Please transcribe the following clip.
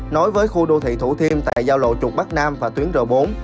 nối với khu đô thị thủ thiêm tại giao lộ trục bắc nam và tuyến r bốn